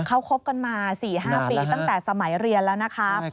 เขาคบกันมา๔๕ปีตั้งแต่สมัยเรียนแล้วนะครับ